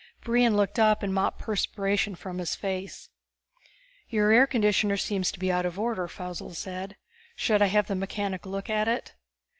Brion looked up and mopped perspiration from his face. "Your air conditioner seems to be out of order," Faussel said. "Should I have the mechanic look at it?"